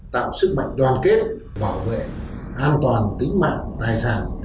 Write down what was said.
tạo sức mạnh đoàn kết bảo vệ an toàn tính mạng tài sản